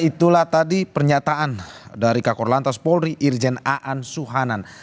itulah tadi pernyataan dari kakor lantas polri irjen aan suhanan